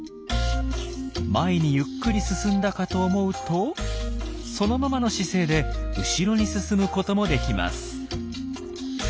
前にゆっくり進んだかと思うとそのままの姿勢で後ろに進むこともできます。